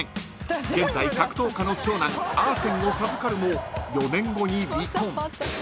［現在格闘家の長男アーセンを授かるも４年後に離婚］